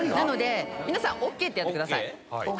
皆さんＯＫってやってください。